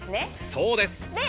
そうですで。